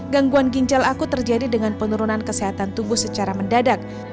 gangguan ginjal akut terjadi dengan penurunan kesehatan tubuh secara mendadak